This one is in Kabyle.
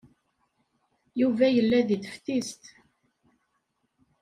Yuba yella deg teftist.